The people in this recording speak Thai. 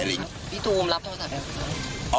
พี่ทูมรับโทรศัพท์ได้ไหม